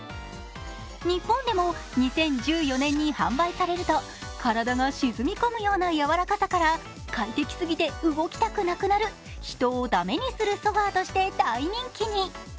日本でも２０１４年に販売されると体が沈み込むような柔らかさから快適すぎて動きたくなくなる、人を駄目にするソファーとして大人気に。